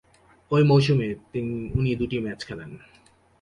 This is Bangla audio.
ওই মরসুমে উনি দুটি ম্যাচ খেলেন।